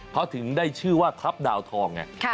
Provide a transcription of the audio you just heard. เขาถึงได้ชื่อว่าทัพดาวทองไง